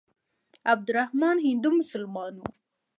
عبدالرحمن هندو مسلمان وو.